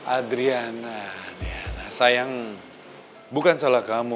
adriana sayang bukan salah kamu